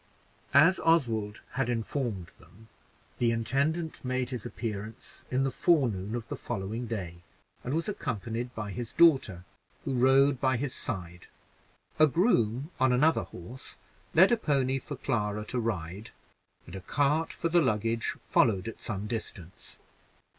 As Oswald had informed them, the intendant made his appearance in the forenoon of the following day, and was accompanied by his daughter, who rode by his side. A groom, on horse, led a pony for Clara to ride; and a cart for the luggage followed at some distance.